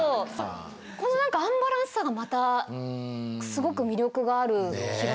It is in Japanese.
この何かアンバランスさがまたすごく魅力がある気がするんですよね。